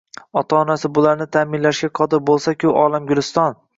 Ota-onasi bularni taʼminlashga qodir boʻlsa-ku, olam guliston